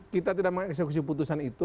kita tidak mengeksekusi putusan itu